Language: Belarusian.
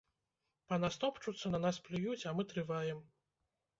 Па нас топчуцца, на нас плююць, а мы трываем.